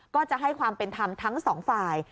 ก็จะให้ความเป็นธรรมทั้งสองฝ่าย